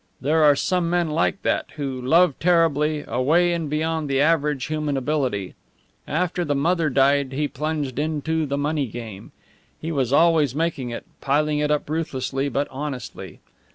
There are some men like that, who love terribly, away and beyond the average human ability. After the mother died he plunged into the money game. He was always making it, piling it up ruthlessly but honestly.